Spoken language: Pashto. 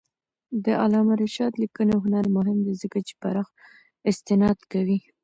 د علامه رشاد لیکنی هنر مهم دی ځکه چې پراخ استناد کوي.